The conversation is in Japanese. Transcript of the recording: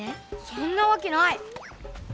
そんなわけない。